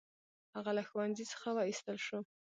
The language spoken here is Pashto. هغه له ښوونځي څخه وایستل شو.